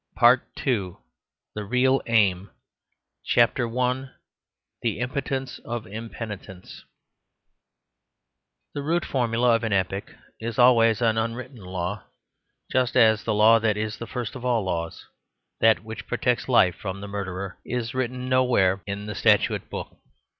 Part II THE REAL AIM CHAPTER I THE IMPOTENCE OF IMPENITENCE The root formula of an epoch is always an unwritten law, just as the law that is the first of all laws, that which protects life from the murderer, is written nowhere in the Statute Book.